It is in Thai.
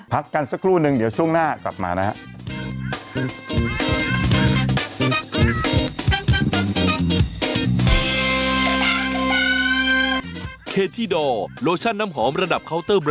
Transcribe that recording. พักกันสักครู่นึงเดี๋ยวช่วงหน้ากลับมานะครับ